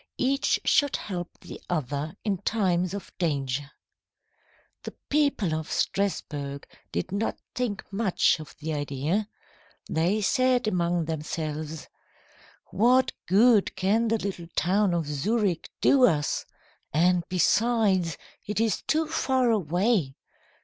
Each should help the other in times of danger. The people of Strasburg did not think much of the idea. They said among themselves: 'What good can the little town of Zurich do us? And, besides, it is too far away.'